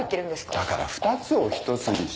だから２つを１つにし。